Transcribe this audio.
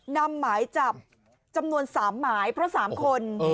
นำหมายจับจำนวน๓หมายเพราะ๓คน